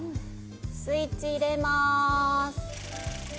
スイッチ入れまーす。